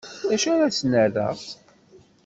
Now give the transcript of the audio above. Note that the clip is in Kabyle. D acu ara sen-rreɣ?